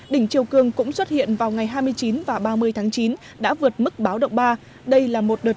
đỉnh chiều cường cũng xuất hiện vào ngày hai mươi chín và ba mươi tháng chín đã vượt mức báo động ba đây là một đợt